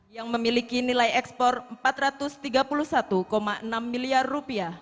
yang memiliki nilai ekspor rp empat ratus tiga puluh satu enam miliar